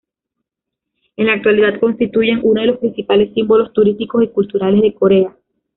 En la actualidad constituyen uno de los principales símbolos turísticos y culturales de Corea.